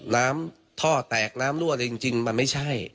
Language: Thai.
น้ำท่อแตกน้ำรั่วเลยจริงมันไม่ใช่